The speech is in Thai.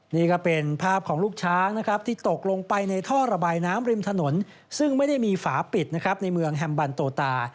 นี่ก็เป็นภาพของลูกช้างนะครับที่ตกลงไปในท่อระบายน้ำริมถนนซึ่งไม่ได้มีฝาปิดนะครับในเมืองแฮมบันโตตา